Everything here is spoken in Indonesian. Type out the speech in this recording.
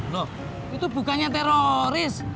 loh itu bukannya teroris